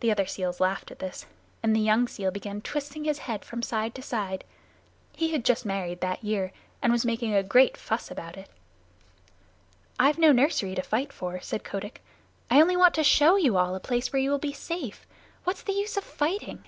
The other seals laughed at this, and the young seal began twisting his head from side to side. He had just married that year, and was making a great fuss about it. "I've no nursery to fight for," said Kotick. "I only want to show you all a place where you will be safe. What's the use of fighting?"